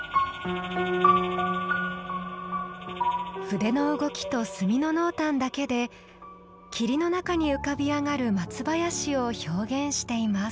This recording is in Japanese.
筆の動きと墨の濃淡だけで霧の中に浮かび上がる松林を表現しています。